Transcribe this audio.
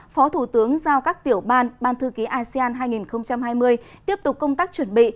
phó thủ tướng giao các tiểu ban ban thư ký asean hai nghìn hai mươi tiếp tục công tác chuẩn bị